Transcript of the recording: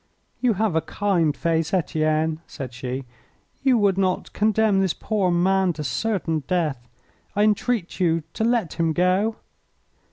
"You have a kind face, Etienne," said she; "you would not condemn this poor man to certain death. I entreat you to let him go."